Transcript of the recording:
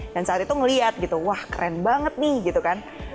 dan saat itu ngeliat gitu wah keren banget nih gitu kan